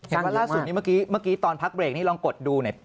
เห็นว่าล่าสุดนี้เมื่อกี้ตอนพักเบรกนี้ลองกดดู